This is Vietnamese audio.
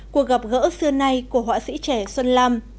cuộc gặp gỡ xưa nay của họa sĩ trẻ xuân lam